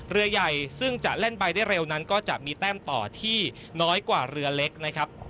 เรือใหญ่ซึ่งจะเล่นไปได้เร็วนั้นก็จะมีแต้มต่อที่น้อยกว่าเรือเล็กนะครับ